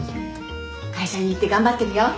会社に行って頑張ってるよ。